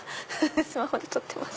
スマホで撮ってます。